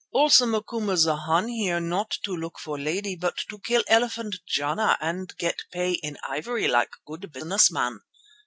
Also Macumazana here not to look for lady but to kill elephant Jana and get pay in ivory like good business man.